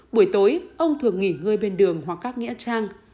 buổi tối ông thường nghỉ ngơi bên đường hoặc các nghĩa trang